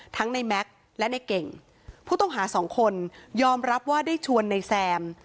ในแม็กซ์และในเก่งผู้ต้องหาสองคนยอมรับว่าได้ชวนในแซม